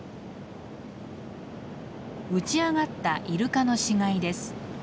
打ち上がったイルカの死骸です。